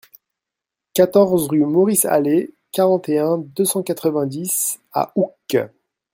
quatorze rue Maurice Hallé, quarante et un, deux cent quatre-vingt-dix à Oucques